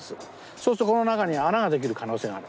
そうするとこの中に穴ができる可能性がある。